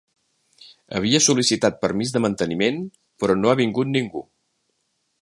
Havia sol·licitat permís de manteniment, però no ha vingut ningú.